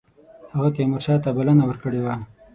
هغه تیمورشاه ته بلنه ورکړې وه.